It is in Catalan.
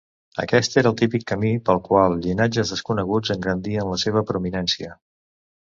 Aquest era el típic camí pel qual llinatges desconeguts engrandien la seva prominència.